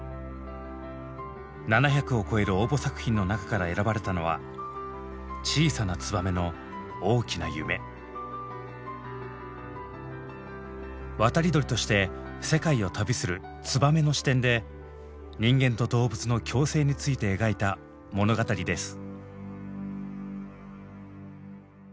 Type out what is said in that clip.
７００を超える応募作品の中から選ばれたのは渡り鳥として世界を旅するツバメの視点で人間と動物の共生について描いた物語です。